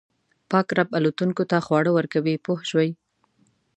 پاک رب الوتونکو ته خواړه ورکوي پوه شوې!.